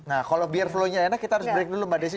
nah kalau biar flow nya enak kita harus break dulu mbak desi